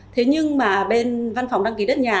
thế nhưng mà bên văn phòng đăng ký đất nhà